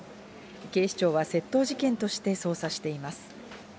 警視庁は窃盗事件として捜査しています。